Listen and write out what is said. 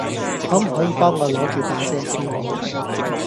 可唔可以幫我攞著把遮先